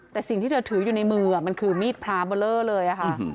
แต่สิ่งที่เธอถืออยู่ในมือมันคือมีดพระเบอร์เลอร์เลยค่ะ